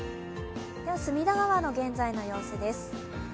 隅田川の現在の様子です。